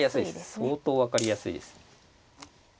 相当分かりやすいです。